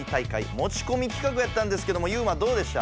持ちこみ企画やったんですけどもユウマどうでした？